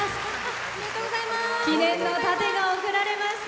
記念の盾が送られました。